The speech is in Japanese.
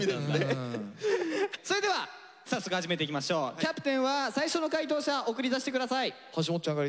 キャプテンは最初の解答者送り出して下さい。